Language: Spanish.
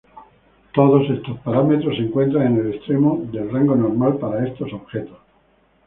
Todos estos parámetros se encuentran en el extremo del rango normal para estos objetos.